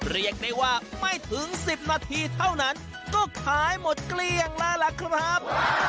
เรียกได้ว่าไม่ถึง๑๐นาทีเท่านั้นก็ขายหมดเกลี้ยงแล้วล่ะครับ